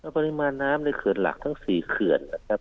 ปริมาณน้ำในเขื่อนหลักทั้ง๔เขื่อนนะครับ